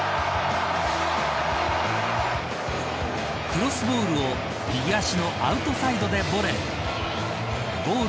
クロスボールを右足のアウトサイドでボレー。